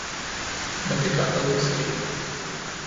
Men det kan aldrig ske!